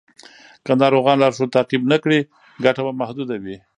که ناروغان لارښود تعقیب نه کړي، ګټه به محدوده وي.